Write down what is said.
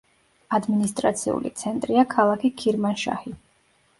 ადმინისტრაციული ცენტრია ქალაქი ქირმანშაჰი.